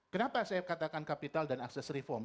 kenapa saya katakan capital dan access reform